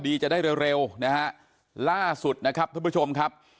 จะได้เร็วเร็วนะฮะล่าสุดนะครับท่านผู้ชมครับ